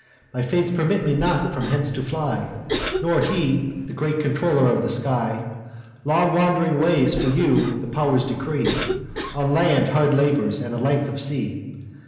My fates permit me not from hence to fly; Nor he, the great controller of the sky. Long wand'ring ways for you the pow'rs decree; On land hard labours, and a length of sea.